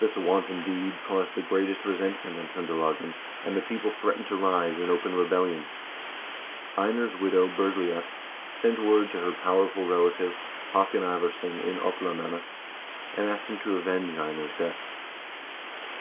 This wanton deed caused the greatest resentment in Tr0ndelagen, and the people threatened to rise in open rebellion. Einar's widow, Bergliot, sent word to her powerful relative, Haakon Ivarsson in Oplandene, and asked him to avenge Einar's death.